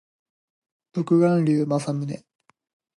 独眼竜政宗